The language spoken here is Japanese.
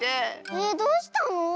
えっどうしたの？